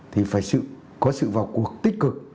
thì phải có sự vào cuộc tích cực